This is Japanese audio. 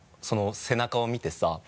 その背中を見てさ。